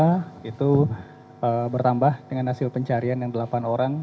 yaitu bertambah dengan hasil pencarian yang delapan orang